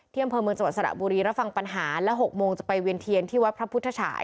อำเภอเมืองจังหวัดสระบุรีรับฟังปัญหาและ๖โมงจะไปเวียนเทียนที่วัดพระพุทธฉาย